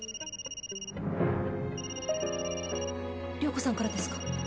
涼子さんからですか？